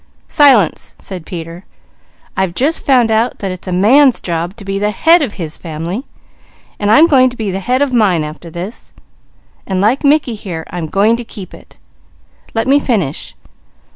"Silence!" said Peter. "I've just found out that it's a man's job to be the head of his family, and I'm going to be the head of mine after this, and like Mickey here, 'I'm going to keep it.' Let me finish.